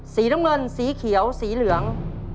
สีน้ำเงินสีเขียวสีเหลือง